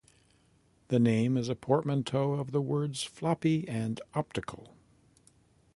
The name is a portmanteau of the words "floppy" and "optical".